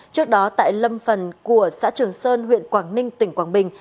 trước đó tại lâm phần của xã trường sơn huyện quảng ninh tỉnh quảng bình